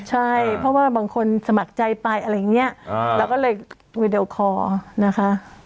ใช่เพราะว่าบางคนสมัครใจไปอะไรอย่างนี้เราก็เลยวีดีโอคอร์นะคะ